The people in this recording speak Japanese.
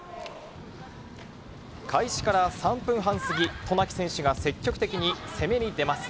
開始から３分半過ぎ、渡名喜選手が積極的に攻めに出ます。